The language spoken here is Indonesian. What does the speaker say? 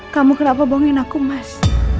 kamu kenapa bohongin aku mas